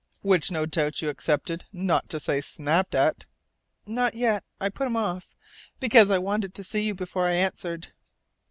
"Which no doubt you accepted, not to say snapped at." "Not yet. I put him off, because I wanted to see you before I answered."